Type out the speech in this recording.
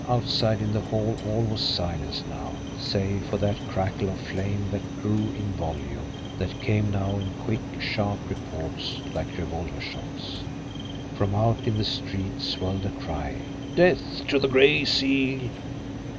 Outside in the hall all was silence now save for that crackle of flame that grew in volume, that came now in quick, sharp reports, like revolver shots. From out in the street swelled a cry: "Death to the Gray Seal!"